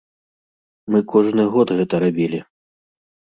Мы кожны год гэта рабілі.